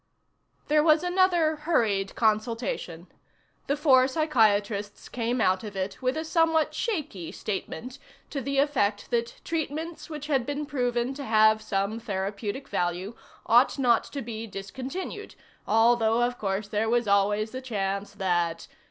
There was another hurried consultation. The four psychiatrists came out of it with a somewhat shaky statement to the effect that treatments which had been proven to have some therapeutic value ought not to be discontinued, although of course there was always the chance that....